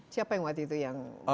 siapa yang waktu itu yang